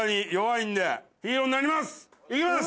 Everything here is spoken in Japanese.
行きます。